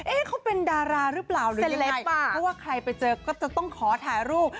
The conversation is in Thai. เขาเป็นดาราหรือเปล่าหรือเซลป่ะเพราะว่าใครไปเจอก็จะต้องขอถ่ายรูป